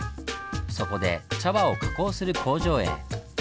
そこで茶葉を加工する工場へ。